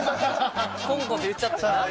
「コンコン」って言っちゃってんな。